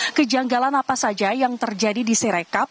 nah kejanggalan apa saja yang terjadi di sirekap